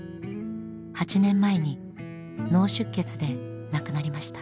８年前に脳出血で亡くなりました。